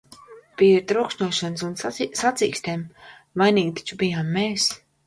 "Pie trokšņošanas un "sacīkstēm" vainīgi taču bijām mēs!"